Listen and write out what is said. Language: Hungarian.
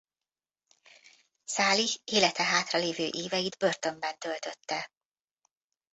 Szálih élete hátralévő éveit börtönben töltötte.